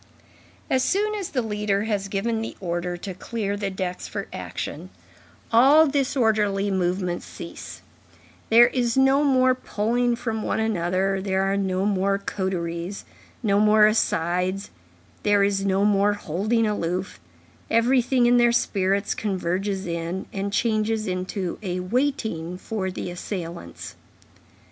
As soon as the leader has given the order to clear the decks for action, all disorderly movements cease; there is no more pulling from one another; there are no more coteries; no more asides, there is no more holding aloof; everything in their spirits converges in, and changes into, a waiting for the assailants.